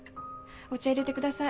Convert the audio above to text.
お茶入れてください。